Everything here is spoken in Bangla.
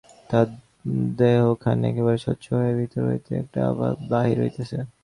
তার দেহখানি একেবারে স্বচ্ছ হইয়া ভিতর হইতে একটি আভা বাহির হইতেছে।